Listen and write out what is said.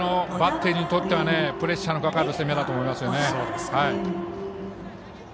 バッテリーにとってはプレッシャーのかかる攻めだと思いますね。